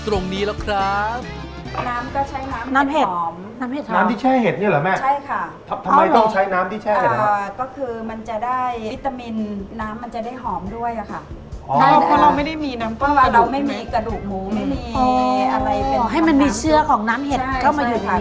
ไม่มีอะไรเป็นของน้ำเห็ดหอมอ๋อให้มันมีเชื่อของน้ำเห็ดเข้ามาอยู่ที่นี่